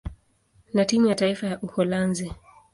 na timu ya taifa ya Uholanzi.